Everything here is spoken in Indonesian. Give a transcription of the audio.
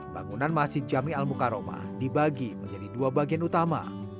bangunan masjid jami al mukaromah dibagi menjadi dua bagian utama